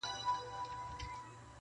• زه به راځم زه به تنها راځمه -